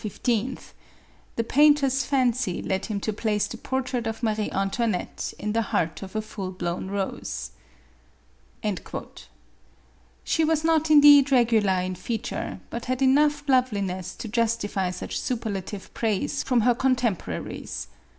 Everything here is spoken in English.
The painter's fancy led him to place the portrait of Marie Antoinette in the heart of a full blown rose." She was not indeed regular in feature, but had enough loveliness to justify such superlative praise from her contemporaries.